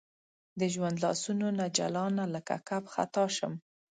د ژوند لاسونو نه جلانه لکه کب خطا شم